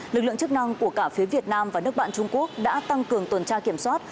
lực lượng chức năng của cả phía việt nam và nước bạn trung quốc đã tăng cường tuần tra kiểm soát